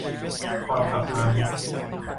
ความสัมพันธ์